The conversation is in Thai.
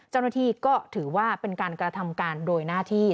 เจ้าหน้าที่ก็ถือว่าเป็นการกระทำการโดยหน้าที่